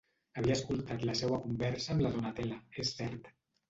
Havia escoltat la seua conversa amb la Donatella, és cert.